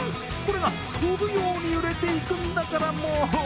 これが飛ぶように売れていくんだから、もう。